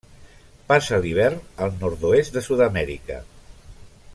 Passa l'hivern al nord-oest de Sud-amèrica.